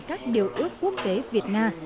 các điều ước quốc tế việt nga